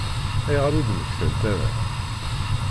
Ayɣer ur d-mmektant ara?